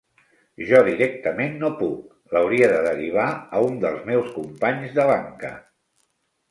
Jo directament no puc, l'hauria de derivar a un dels meus companys de banca.